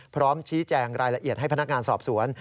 พร้อมชี้แจงรายละเอียดให้พนักงานสอบสวน